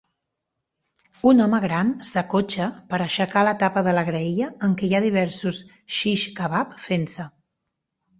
Un home gran s'acotxa per aixecar la tapa de la graella en què hi ha diversos shish kabab fent-se.